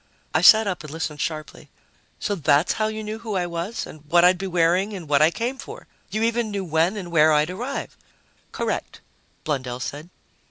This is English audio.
I sat up and listened sharply. "So that's how you knew who I was and what I'd be wearing and what I came for! You even knew when and where I'd arrive!" "Correct," Blundell said.